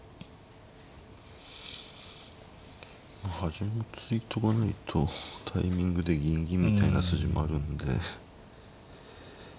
順に突いとかないとタイミングで銀銀みたいな筋もあるんで。